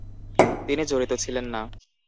তিনি জড়িত ছিলেন না।